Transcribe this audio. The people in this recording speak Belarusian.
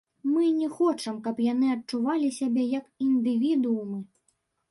Мы не хочам, каб яны адчувалі сябе як індывідуумы.